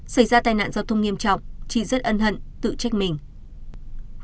xảy ra tai nạn giao thông nghiêm trọng chị rất ân hận tự trách mình